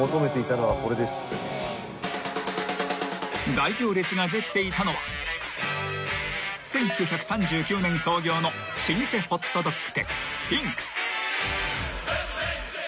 ［大行列ができていたのは１９３９年創業の老舗ホットドッグ店ピンクス］